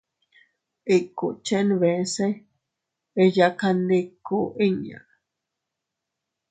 Ikut chenbese eyakandiku inña.